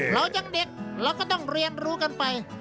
เรายังเด็กเราก็ต้องเรียนรู้กันไป